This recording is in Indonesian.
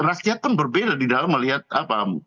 rakyat kan berbeda di dalam melihat apa